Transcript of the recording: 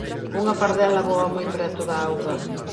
Unha pardela voa moi preto da auga.